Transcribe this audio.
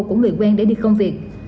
cũng luyện quen để đi công việc